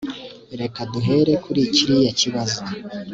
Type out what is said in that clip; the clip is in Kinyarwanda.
reka duhere kuri kiriya kibazo